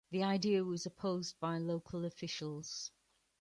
The idea was opposed by local officials.